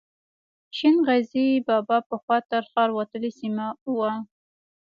شین غزي بابا پخوا تر ښار وتلې سیمه وه.